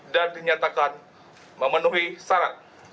dan dinyatakan memenuhi syarat